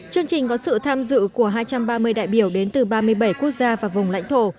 chương trình có sự tham dự của hai trăm ba mươi đại biểu đến từ ba mươi bảy quốc gia và vùng lãnh thổ